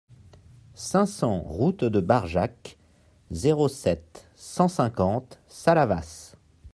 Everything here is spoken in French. cinq cents route de Barjac, zéro sept, cent cinquante Salavas